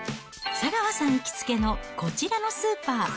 佐川さん行きつけのこちらのスーパー。